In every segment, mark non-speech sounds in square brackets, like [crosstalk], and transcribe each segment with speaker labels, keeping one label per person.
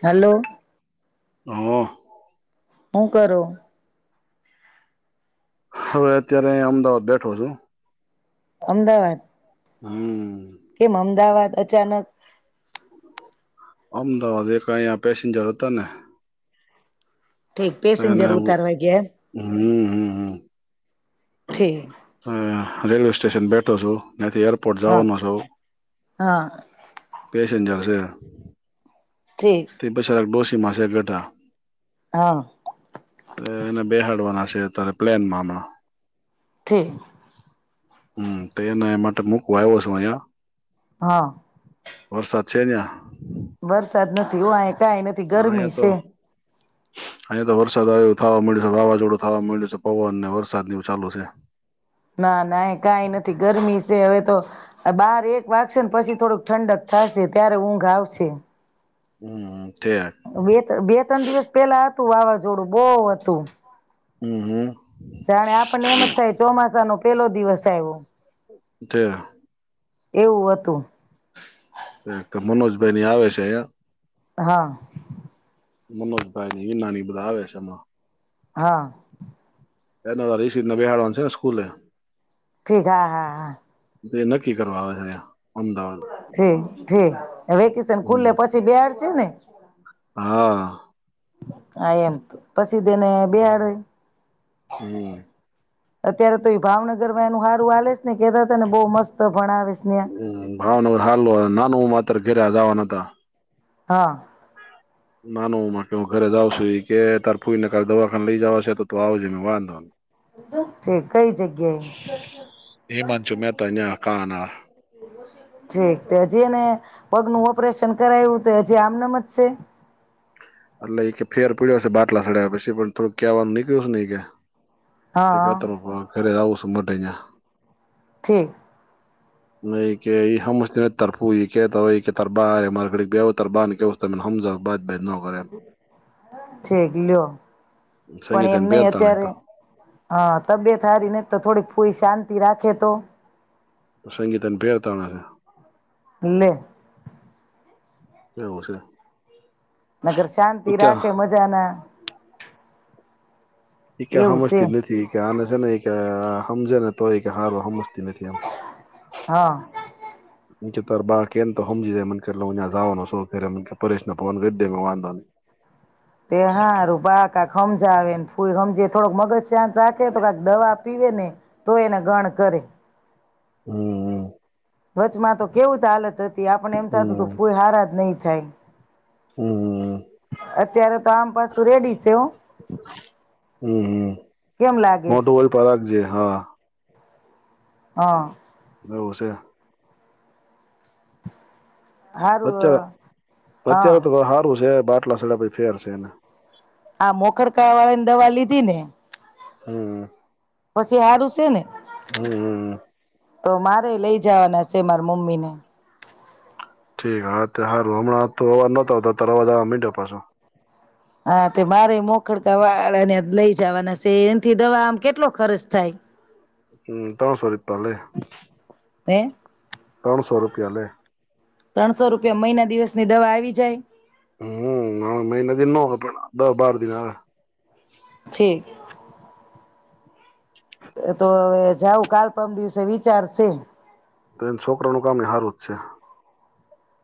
Speaker 1: Hello.
Speaker 2: હા.
Speaker 1: હું કરો?
Speaker 2: હવે અત્યારે અમદાવાદ બેઠો છું.
Speaker 1: અમદાવાદ?
Speaker 2: હમ
Speaker 1: કેમ અમદાવાદ? અચાનક.
Speaker 2: અમદાવાદ એક અહીયા પેસેન્જર હતા ને.
Speaker 1: ઠીક
Speaker 2: હ
Speaker 1: પેસેન્જર
Speaker 2: ના,
Speaker 1: ઉતારવા ગયા એમ
Speaker 2: હમ હમ હમ.
Speaker 1: ઠી
Speaker 2: હ રેલ્વે સ્ટેશન બેઠો છું. નથી એરપોર્ટ
Speaker 1: હા
Speaker 2: જવાનો સૌ.
Speaker 1: હા
Speaker 2: બેજાવશે.
Speaker 1: ઠીક
Speaker 2: તે બછા લખ બો. [unintelligible] માસે ઘટા.
Speaker 1: હા.
Speaker 2: એને બેહડવાના છે અત્યારે પ્લેનમાં હમણાં.
Speaker 1: ઠી.
Speaker 2: હમ તેને એ માટે મૂકવા આવ્યો છું અહયા.
Speaker 1: હા.
Speaker 2: વરસાદ છે ત્યાં?
Speaker 1: વરસાદ નથી આ કંઈ નથી ગરમી છે.
Speaker 2: અહીયાં તો વરસાદ આવ્યો થવા મેડુસા છે, વાવાઝોડું થવા મળ્યું છે પવનને વરસાદ ચાલુ છે.
Speaker 1: ના ના એ કઈ નથી ગરમી છે હવે તો. બહાર એક વાગશે ને પછી થોડુંક ઠંડક થશે ત્યારે ઊંઘ આવશે.
Speaker 2: હ.
Speaker 1: બે બે ત્રણ દિવસ પેલા વાવાઝોડું બહ હતું.
Speaker 2: હમ હમ.
Speaker 1: જાણે આપણને એમ જ થાય ચોમાસા ન પેલો દિવસ આવ્યો.
Speaker 2: [unintelligible]
Speaker 1: એવું હતું.
Speaker 2: એક તો મનોજભાઈ આવે છે અહિયાં.
Speaker 1: હા.
Speaker 2: મનોજભાઇ ને હિમાને બધા આવે છે હમણાં.
Speaker 1: હા.
Speaker 2: એ રષિ ના બેહાડવાનું છે ને સ્કૂલે.
Speaker 1: ઠીક હા હા હા.
Speaker 2: એ નક્કી કરવા આવે છે. અમદાવાદ
Speaker 1: ઠી ઠી વેકેશન ખુલ્લે
Speaker 2: હમ
Speaker 1: પછી બેહા છે ને?
Speaker 2: હા.
Speaker 1: હા એમ તો. પછી તેને બેહડ હોય.
Speaker 2: હમ
Speaker 1: અત્યારે તો એ ભાવનગરમાં એનું હ સારું હાલેસ ને કેતા તને બહ મસ્ત ભણાવેશ ન્યા
Speaker 2: હમ ભાવનર હાલ નાન તરખેરા જવાના હતા.
Speaker 1: હા.
Speaker 2: ના નોમા કે ઘરે જાવ છું ઈ કે તર ફૂઈ ને કાલ દવાખાને લઈ જવાના છે તો તું આવજ મે વાંધોને
Speaker 1: ઠીક કઈ જગ્યા
Speaker 2: હિમાંશુ મહેતા ન્યા કાના
Speaker 1: ઠીક એ? તે હજી એને પગનું ઓપરેશન કરાયું તો હજી આમનમ જ છે?
Speaker 2: એટલે એ ફેર પીડ્યો છે બાટલા સડ્યા પછી પણ થોડક કહેવાનું નીકળ્યું છે ને એ કે. તે
Speaker 1: હા
Speaker 2: કતા ખરે આવ છ મ [unintelligible]
Speaker 1: ઠીક.
Speaker 2: નહી, કે હમ તર ફુંઈ કેતા હોય એ કે તર બા ઘ તરબા [unintelligible]
Speaker 1: ક લ્યો, પણ એમ નહી અત્યારે હા તબિયત હારી ન તો થોડીક ફૂઈ શાંતિ રાખે તો.
Speaker 2: સંગીતન પર તણ છે.
Speaker 1: લે.
Speaker 2: એવું છે.
Speaker 1: મગર શાંતિ
Speaker 2: ઈ કે
Speaker 1: રાખે મજા ના
Speaker 2: એક
Speaker 1: એવું છે
Speaker 2: સમજતી નથી કે આને છે ને, એક સમજે ને તોય કે હારો હમ તી નથી.
Speaker 1: હા
Speaker 2: મુ તો બા કેમ તો સમજી જાય મટ જાવાનો શો પરેશ નાે વાંધો ન.
Speaker 1: તે હારું બા કાક સમજાવેને ફૂલ સમજે થોડોક મગજ શાંત રાખે તો કક દવા પીવે ને, તો એને ગણ કરે.
Speaker 2: હમ હમ.
Speaker 1: વચમાં તો કેવું તો હાલત હતી. તે આપણને એમ થતું તો
Speaker 2: હમ
Speaker 1: કોઈ હારાજ નહીં થાય.
Speaker 2: હમ
Speaker 1: અત્યારે તો આમ પાછું રેડી છે હું,
Speaker 2: હમ
Speaker 1: કેમ લાગશે?
Speaker 2: મોટું હોય પર રાખજે હા
Speaker 1: હા.
Speaker 2: એવું છે.
Speaker 1: હારું
Speaker 2: અત્યાર
Speaker 1: હા
Speaker 2: સત્યાર હારુંશે બાકી આટલા સડા ભાઈ ફેર છે એને.
Speaker 1: આ મોખડકાળા વાળા ને દવા લીધી ને?
Speaker 2: હમ.
Speaker 1: પછી હારું છે ને?
Speaker 2: હમ.
Speaker 1: તો મારે લઈ જવાના છે મારા મમ્મી ને.
Speaker 2: ઠીક હારું હમણાં અવાજ નતો આવતા તવા જવા મીડ પાછો.
Speaker 1: હા તે મારે મોખડકા વાળાને લઈ જવાના છે એથી દવા આમ કેટલો ખર્ચ થાય?
Speaker 2: હમ ત્રોણસો રૂપિયા લે.
Speaker 1: હે?
Speaker 2: ત્રણસો રૂપિયા લે.
Speaker 1: ત્રણસો રૂપિયા મહિના દિવસ ની દવા આવી જાય?
Speaker 2: હમ મહિના દિન પણ દસ-બાર દિન હ.
Speaker 1: ઠીક. એ તો હવે જાઉું કાલ-પરમ દિવસે વિચારશે.
Speaker 2: તો એન છોકરાનું કામય હારું જ છે.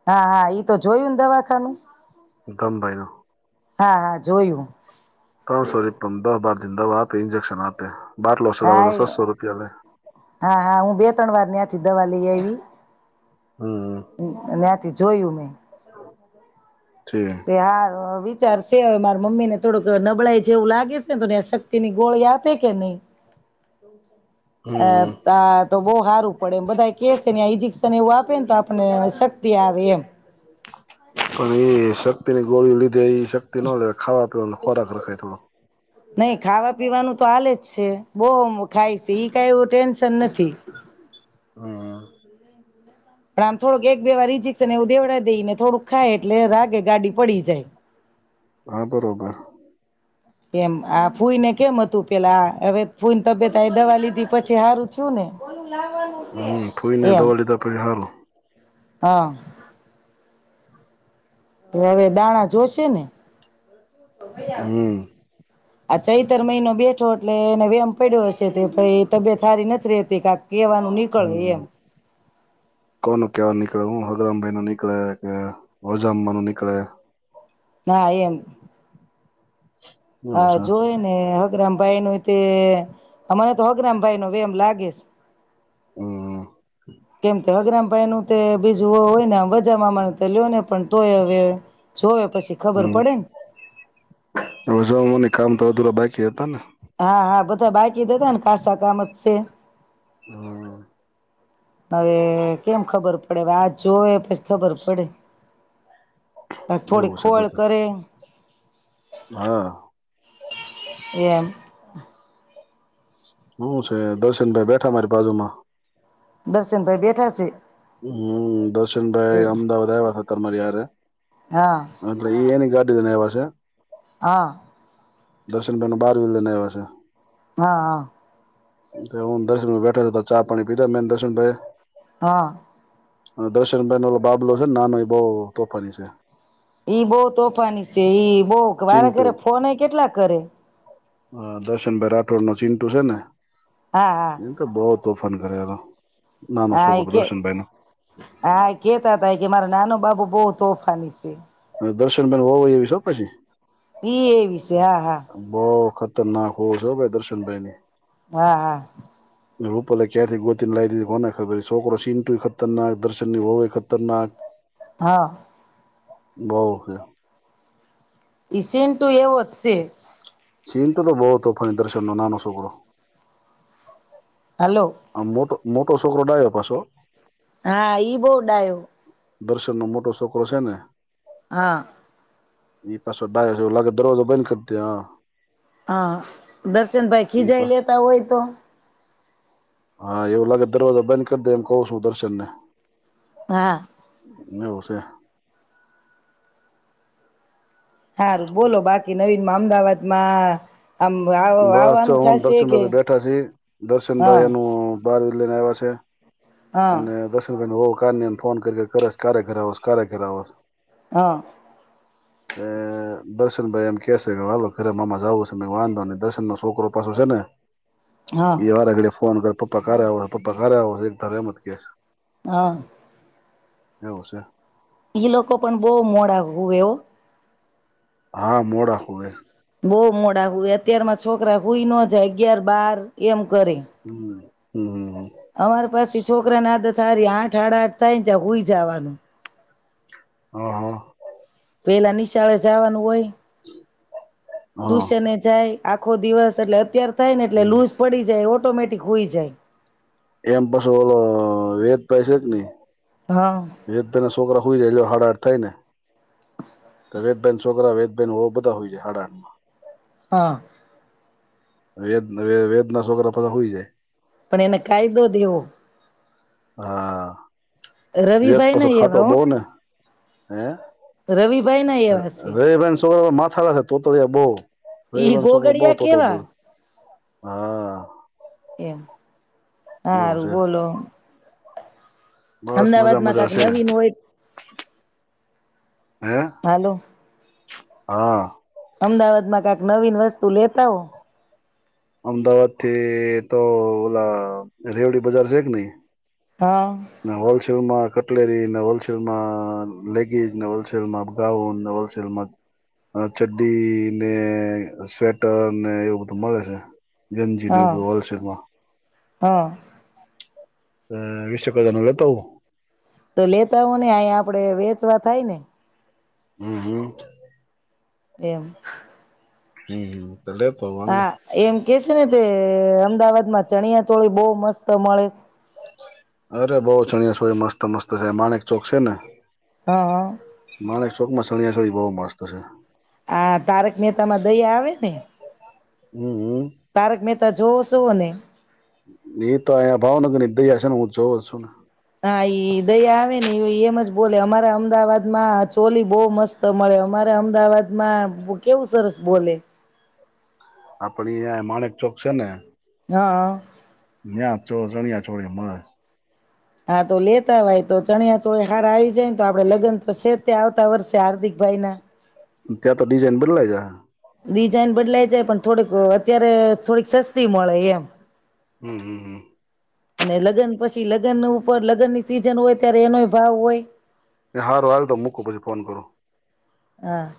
Speaker 1: હા હા, ઈ તો જોયુંન દવાખાનું.
Speaker 2: ધમભાઈનો
Speaker 1: હા હા, જોયું.
Speaker 2: તરુ સોરી પદહ બાર જિન દવા આપે ઈન્જેક્શન આપે. બાટલો ચડાવે
Speaker 1: હા
Speaker 2: તો
Speaker 1: એ, હા
Speaker 2: છસો રૂપિયા લે
Speaker 1: હા હા, હું બે-ત્રણ વાર ન્યા થી દવા લઈ આવી. હમ ન્યાથી જોયું મેં.
Speaker 2: ઠીક
Speaker 1: તે હારું, અ વિચારું તે હવે મારા મમ્મીને થોડુંક નબળાઈ જેવું લાગે શે ન તો ન્યા હવ શક્તિની ગોળી આપે કે નઈ? એ
Speaker 2: હમ
Speaker 1: તા તો બઉ હારુ. પડ એમ બધાય કે છે ને આ પણ એવું વાત હોય ને તો આપને શક્તિ આવે એમ.
Speaker 2: પણ એ શક્તિની ગોળી લીધે એ શક્તિ ન લે ખાવા-પીવાનો ખોરાક રખાય થોડો.
Speaker 1: નઈ ખાવા-પીવાનું તો હાલે જ છે. બઉ ખાય છે ઈ કાઈ એવું ટેન્શન નથી.
Speaker 2: હા
Speaker 1: પણ આમ થોડુંક એક બે વાર ઇજીક્શન એવું દેવડા દઈને થોડુંક ખાય એટલે રાગે ગાડી પડી જાય.
Speaker 2: હા બરોબર.
Speaker 1: એમ આ ફૂઈને કેમ હતું પેલા હવે ફૂઈન તબિયત અવે દવા લીધી પછી હારુ છે ને.
Speaker 2: હમ ફોઈને દવા લીધા પછી હારુ.
Speaker 1: હન તો હવે દાણા જોશે ને.
Speaker 2: હમ
Speaker 1: આ ચૈતર મહિનો બેઠો એટલે એને વેમ પડ્યો હશે કે ભઈ તબિયત હારી નથ રેતી કા
Speaker 2: હમ કોનું કેવાન ની કળે. હુ હગરામભાઈનું નીકળે કે હજામ્બાનું નીકળે.
Speaker 1: ના એમ. અ
Speaker 2: એવું છે
Speaker 1: જોય ને હ ગ્રમ ભાઈનું તે અમને તો હગ્રમભાઈનો વહેમ લાગે છે.
Speaker 2: હમ
Speaker 1: કેમ હગ્રમભાઈનું તે બીજુ હો હોયને વજામાં મન તો લ્યોને પણ તોય હવે જોવે પછી ખબર
Speaker 2: હમ
Speaker 1: પડે ને
Speaker 2: રોજા મને કામ તો અધૂરા બાકી હતાને
Speaker 1: હા હા બધા બાકી જ હતાને ખાસા કામત શે.
Speaker 2: [unintelligible]
Speaker 1: હવે કેમ ખબર પડે વા જોવે પછી ખબર પડે. [unintelligible] થોડી
Speaker 2: એવું છે
Speaker 1: ખોલ
Speaker 2: બધું
Speaker 1: કરે.
Speaker 2: હા.
Speaker 1: એમ.
Speaker 2: હું છે, દર્શન ભાઈ બેઠા મારી બાજુમાં.
Speaker 1: દર્શન [unintelligible] ભાઈ બેઠા છે.
Speaker 2: હમ દર્શનભાઈ અમદાવાદ આવ્યા હતા મારે
Speaker 1: હા
Speaker 2: [unintelligible] એની ગાડી. [unintelligible]
Speaker 1: હા.
Speaker 2: દર્શન [unintelligible] બહાર લઈને આવ્યા છે.
Speaker 1: હા હા.
Speaker 2: હું દર્શન બેઠા છ ચા પાણી પીધા મેન દર્શન ભાઈ.
Speaker 1: હા.
Speaker 2: દર્શન [unintelligible] બાબલો છે ને નાનો એ બહ તોફાની છે.
Speaker 1: ઈ બહ તોફાની છે, ઈ બહ મારે
Speaker 2: ચિન્ટુ
Speaker 1: ઘરે ફોન કેટલા કરે
Speaker 2: હ દર્શનભાઈ રાઠોડ નું ચિંટુ છે, ને
Speaker 1: હા હા
Speaker 2: એ તો બહ [unintelligible] કર્યા એ તો
Speaker 1: હા કે હા કેતા હતા કે મારો નાનો બાબુ બહુતો ઓફની છે.
Speaker 2: દર્શન બેેન હો હોય [unintelligible] શો પછી
Speaker 1: [unintelligible] એવી
Speaker 2: બહુ વખત [unintelligible] ના [unintelligible] હો [unintelligible] દર્શન [unintelligible]
Speaker 1: હા હા
Speaker 2: રૂપલે ક્યાંથી ગોતીને લાવી દીધી કોને ખબર છોકરો ચીટુ ખતરનાક દર્શન ની હોવય ખતરનાક
Speaker 1: હા
Speaker 2: બવકે
Speaker 1: ઇસન તું એ [unintelligible] છે.
Speaker 2: ચીન [unintelligible] તો બહ તો [unintelligible] દર્શન નો નાનો છોકરો.
Speaker 1: હલો
Speaker 2: આ મોટો મોટો છોકરો ડાય્યો પાછો
Speaker 1: હા ઈ બહુ ડાયો
Speaker 2: દર્શન નો મોટો છોકરો છે, ને
Speaker 1: હા
Speaker 2: એ પાછો ડાય લાગે દરવાજો બંધ કરતી હ
Speaker 1: હા દર્શન ભાઈ ખીજાઈ
Speaker 2: પાછો
Speaker 1: લેતા હોય તો
Speaker 2: હા એવું લાગે દરવાજા બંધ કરી દે એમ કહ છું, દર્શન ને
Speaker 1: હા
Speaker 2: [unintelligible]
Speaker 1: [unintelligible] બોલો બાકી નવીન અમદાવાદમાં આમ આવ
Speaker 2: બસ જો
Speaker 1: આવવાનું
Speaker 2: હું ન
Speaker 1: થશે કે
Speaker 2: દર્શનભાઈ બેઠા છી
Speaker 1: હા
Speaker 2: દર્શનભાઈ એનું બાર લઈને આવ્યા છે.
Speaker 1: હા
Speaker 2: અને દર્શનભાઈ ન વહુ કયારની આમ ફોન કરીએ કયારે ઘરે આવોશ કયારે ઘરે આવોશ?
Speaker 1: હા.
Speaker 2: એ દર્શનભાઈ એમ કે શે કે હાલો ઘરે મામા જાવું શે મે વાંધો નહી દર્શનનો છોકરો પાછો શે ને
Speaker 1: હા
Speaker 2: એ વારા ઘડીએ ફોન કર પપ્પા કારે આવે હે પપ્પા કારે આવે હે [unintelligible] [unintelligible]
Speaker 1: હા.
Speaker 2: એવું શે.
Speaker 1: ઈ લોકો પણ બહુ મોડા હુવે ઓ.
Speaker 2: હા મોડા હુવે.
Speaker 1: બોવ મોડા હોય અત્યારમાં છોકરા હુંઈ નો જાય અગિયાર બાર એમ
Speaker 2: હમ્મ. હમ્મ હમ્મ.
Speaker 1: અમારે પાસી છોકરાને આદત સારી આઠ હાડા આઠ થાય ને ત્યાં હુય જાવાનું
Speaker 2: હ હ.
Speaker 1: પહેલાં નિશાળે જાવાનું હોય
Speaker 2: હા
Speaker 1: ટ્યુશને જાય આખો દિવસ એટલે અત્યાર થાયને એટલે
Speaker 2: હમ
Speaker 1: લુઝ પડી જાય ઓટ ઓટોમેટીક હુય જાય.
Speaker 2: એમ પછી ઓલો વેદભાઈ છે ને
Speaker 1: હા
Speaker 2: વેદભાઈના છોકરા હુઈ જાય જો હાડા આઠ થાય ને તો વેદભાઈના છોકરા વેદભાઈના વહુ બધા હોય જાય હાડા આઠમાં
Speaker 1: હ.
Speaker 2: વેદ વેદના છોકરા પાછા હુઈ જાય.
Speaker 1: પણ એને કાયદો દેવો
Speaker 2: હા. વેદ
Speaker 1: રવિભાઈ
Speaker 2: પાછો
Speaker 1: ના
Speaker 2: ખાટો
Speaker 1: એવા હો
Speaker 2: બઉને હે
Speaker 1: રવિભાઈ ના એવા
Speaker 2: ર
Speaker 1: છે
Speaker 2: રહીબેન છોકરા માથા છે તોતડીયા બહુ
Speaker 1: ઈ
Speaker 2: રહીબાન છોકરો બહુ
Speaker 1: ગોગડિયા
Speaker 2: તોતડું
Speaker 1: કેવા
Speaker 2: બોલે હા. એવું
Speaker 1: હારુ,
Speaker 2: છે
Speaker 1: બોલો.
Speaker 2: બસ મજા
Speaker 1: અમદાવાદમાં
Speaker 2: મજા
Speaker 1: કાક
Speaker 2: છે
Speaker 1: નવીન હોય
Speaker 2: હે
Speaker 1: હાલો
Speaker 2: હા.
Speaker 1: અમદાવાદમાં કાંક નવીન વસ્તુ લેતા આવો.
Speaker 2: અમદાવાદથી તો ઓલા રેવડી બજાર છે કે નહીં?
Speaker 1: હા
Speaker 2: ને હોલસેલમાં કટલેરીને હોલસેલમાં લેગીજ ને હોલસેલમાં ગાઉન ને હોલસેલમાં ચડ્ડી ને સ્વેટર ને એવું બધું મળે છે. ગંનજી ને એવું હોલસેલમા.
Speaker 1: હ.
Speaker 2: અ વીસેક હજારનું લેતા આવું?
Speaker 1: તો લેતા આવો ને અહીયાં આપડે વેચવા થાય ને!
Speaker 2: હમ્મ હમ્મ.
Speaker 1: એમ.
Speaker 2: હમ્મ હમ્મ.
Speaker 1: હા એમ કે શે ને તે અમ અમદાવાદમાં ચણિયાચોળી બહુ મસ્ત મળે શ.
Speaker 2: અરે બઉ ચણિયાચોળી મસ્ત મસ્ત છે માણેક ચોક છે ને.
Speaker 1: હ હ.
Speaker 2: માણેકચોકમાં ચણિયાચોળી બહુ મસ્ત છે.
Speaker 1: આ તારક મહેતામાં દયા આવે ને?
Speaker 2: હમ હમ
Speaker 1: તારક મેહ તા જોવોશોને?
Speaker 2: એ તો અહીયાં ભાવનગરની જ દયા શેને હું જોઉં જ શું ને.
Speaker 1: હા ઈ દયા આવે ને એમ જ બોલે અમારા અમદાવાદમાં ચોલી બહુ મસ્ત મળે અમારા અમદાવાદમાં કેવું સરસ બોલે.
Speaker 2: આપણી આ માણેકચોક છે ને
Speaker 1: હ હ.
Speaker 2: નાયા ચો ચણિયાચોળી મળે.
Speaker 1: હા તો લેતા અવાય તો ચણિયાચોળી હાર આય જ તો આપણે લગન તો શે જ. આવતા વર્ષે હાર્દિકભાઈના.
Speaker 2: ત્યાર તો ડિઝાઇન બદલાય જાહે.
Speaker 1: ડિઝાઇન બદલાઈ જાય પણ થોડીક અત્યારે થોડીક સસ્તી મળે એમ.
Speaker 2: હમ્મ હમ્મ હમ્મ.
Speaker 1: અને લગન પછી લગન ઉપર લગનની સીઝન હોય ત્યારે એનોય ભાવ હોય.
Speaker 2: હારું હાલ તો મૂકું પછી ફોન કરો.
Speaker 1: હા.